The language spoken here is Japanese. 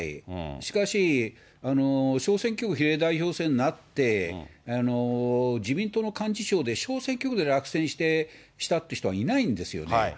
しかし、小選挙区比例代表制になって、自民党の幹事長で小選挙区で落選したって人はいないんですよね。